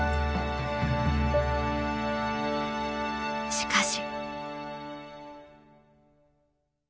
しかし。